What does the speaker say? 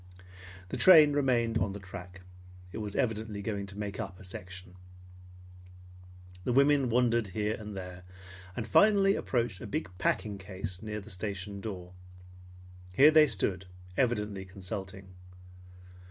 The train remained on the track. It was evidently going to make up a section. The women wandered here and there, and finally approached a big packing case near the station door. Here they stood, evidently consulting.